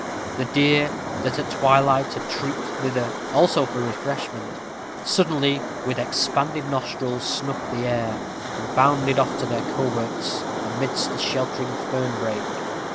The deer, that at twilight had trooped thither also for refreshment, suddenly, "with expanded nostrils, snuffed the air," and bounded off to their coverts, amidst the sheltering fernbrake.